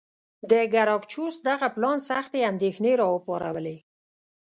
د ګراکچوس دغه پلان سختې اندېښنې را وپارولې.